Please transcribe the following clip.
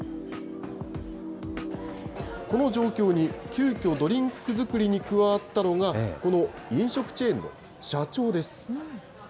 この状況に急きょ、ドリンク作りに加わったのが、この飲食チェーンの社長です。